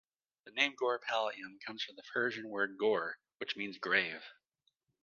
The name Gorippalayam comes from the Persian word "gor" which means "grave".